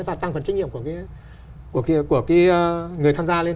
và tăng phần trách nhiệm của người tham gia lên